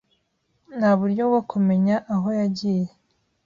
Nta buryo bwo kumenya aho yagiye